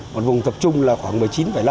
một vùng tập trung là khoảng một mươi chín năm